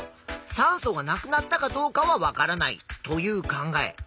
酸素がなくなったかどうかは分からないという考え。